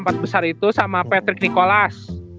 yang empat besar itu sama patrick nicolas